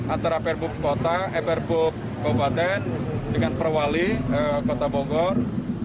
antara perbuk kota perbuk kabupaten dengan perwali kota bogor